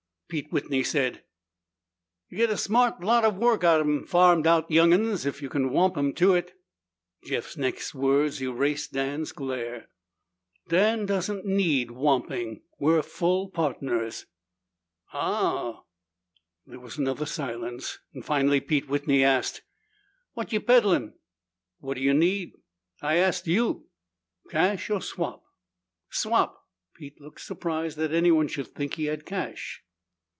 Pete Whitney said, "You git a smart lot of work out'en a farmed out young'un if you whomp him to it." Jeff's next words erased Dan's glare. "Dan doesn't need 'whomping.' We're full partners." "Aoh." There was another silence. Finally Pete Whitney asked, "What ye peddlin?" "What do you need?" "I ast you." "Cash or swap?" "Swap." Pete looked surprised that anyone should think he had cash.